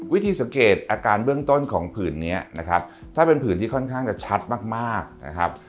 วิธีสังเกตอาการเบื้องต้นของผื่นนี้นะครับถ้าเป็นผื่นที่ค่อนข้างจะชัดมากนะครับ